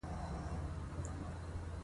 له مور او پلار سره هغه ډول چلند وکړه.